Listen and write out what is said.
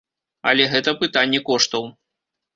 Але гэта пытанне коштаў.